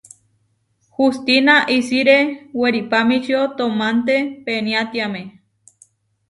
Hustína isiré weripamičío toománte peniátiame.